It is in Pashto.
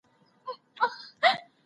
انصاف د ټولني ستونزي حل کوي.